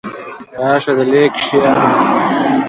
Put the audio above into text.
راشه دلې کښېنه!